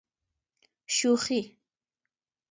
شوخي.